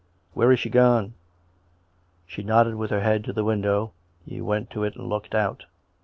" Where is she gone? " She nodded with her head to the window. He went to it and looked out.